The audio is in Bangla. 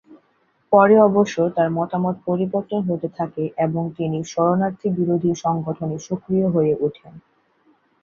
পরে অবশ্য তার মতামত পরিবর্তন হতে থাকে এবং তিনি শরণার্থী বিরোধী সংগঠনে সক্রিয় হয়ে ওঠেন।